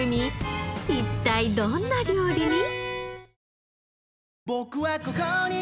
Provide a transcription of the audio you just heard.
一体どんな料理に？